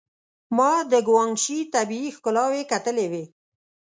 ما د ګوانګ شي طبيعي ښکلاوې کتلې وې.